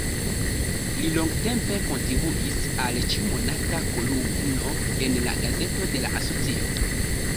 Li longtempe kontribuis al ĉiumonata kolumno en la gazeto de la asocio.